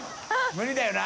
無理だよな。